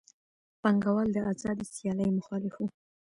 پانګوال د آزادې سیالۍ مخالف وو